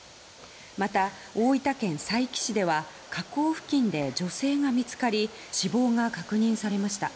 また、大分県佐伯市では河口付近で女性が見つかり死亡が確認されました。